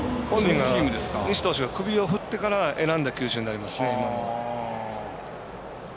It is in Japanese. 西投手が首を振ってから選んだ球種になりますね、今の。